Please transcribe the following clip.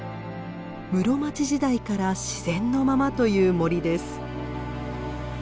室町時代から自然のままという森です。